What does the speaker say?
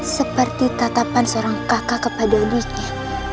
seperti tatapan seorang kakak kepada adiknya